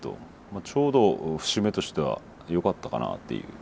ちょうど節目としてはよかったかなっていう。